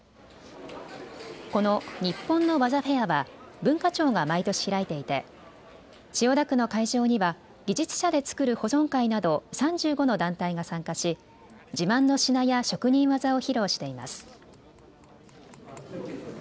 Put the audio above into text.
この日本の技フェアは文化庁が毎年開いていて千代田区の会場には技術者で作る保存会など３５の団体が参加し、自慢の品や職人技を披露しています。